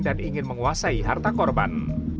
dan ingin menguasai harta korban